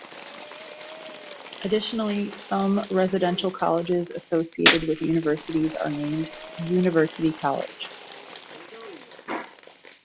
Additionally, some residential colleges associated with universities are named "University College".